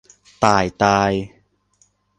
ต่ายตาย